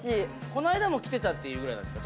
この間も着てたって言うぐらいなんですか？